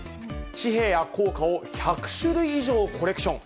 紙幣や硬貨を１００種類以上コレクション。